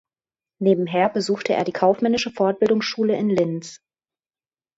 Nebenher besuchte er die kaufmännische Fortbildungsschule in Linz.